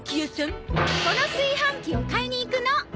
この炊飯器を買いに行くの！